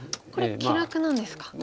これ気楽なんですか。